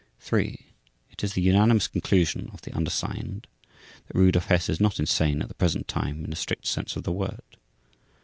(3) It is the unanimous conclusion of the undersigned that Rudolf Hess is not insane at the present time in the strict sense of the word.